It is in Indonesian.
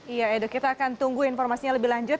iya edo kita akan tunggu informasinya lebih lanjut